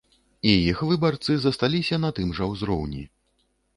І іх выбарцы засталіся на тым жа ўзроўні.